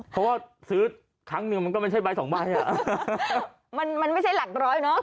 เพราะว่าซื้อครั้งหนึ่งมันก็ไม่ใช่ใบสองใบอ่ะมันมันไม่ใช่หลักร้อยเนอะ